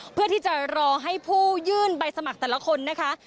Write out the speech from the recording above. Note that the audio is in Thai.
เพื่อที่จะรอให้ผู้ยื่นใบสมัครแต่ละคนนะคะ